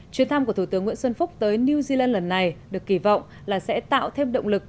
chuyến thăm của thủ tướng nguyễn xuân phúc tới new zealand lần này được kỳ vọng là sẽ tạo thêm động lực